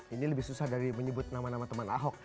ini lebih susah dari menyebut nama nama teman ahok